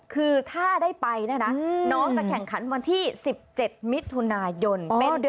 คือถ้าได้ไปเนี่ยนะน้องจะแข่งขันวันที่๑๗มิถุนายน